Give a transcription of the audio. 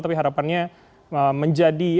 tapi harapannya menjadi